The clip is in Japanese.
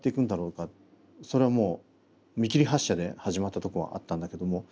それはもう見切り発車で始まったとこはあったんだけども。